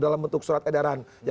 dalam bentuk surat edaran